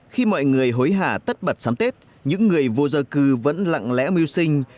khi mọi người hối hả tất bật sáng tết những người vô dơ cư vẫn lặng lẽ mưu sinh